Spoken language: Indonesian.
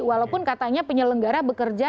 walaupun katanya penyelenggara bekerja